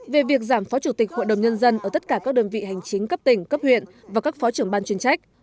về việc giảm phó chủ tịch hội đồng nhân dân ở tất cả các đơn vị hành chính cấp tỉnh cấp huyện và các phó trưởng ban chuyên trách